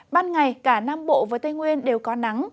ban ngày cả nam bộ và tây nguyên đều có nắng